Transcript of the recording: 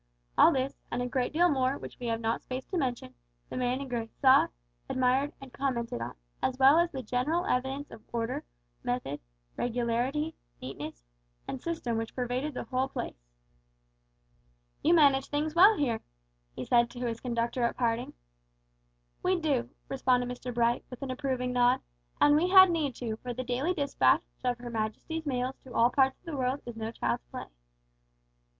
All this, and a great deal more which we have not space to mention, the man in grey saw, admired, and commented on, as well as on the general evidence of order, method, regularity, neatness, and system which pervaded the whole place. "You manage things well here," he said to his conductor at parting. "We do," responded Mr Bright, with an approving nod; "and we had need to, for the daily despatch of Her Majesty's mails to all parts of the world is no child's play.